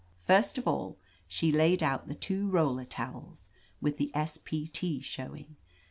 First of all, she laid out the two roller towds, with the S. P. T. showing.